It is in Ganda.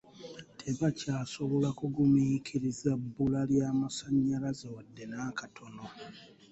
Tebakyasobola kugumiikiriza bbula lya masannyalaze wadde n'akatono.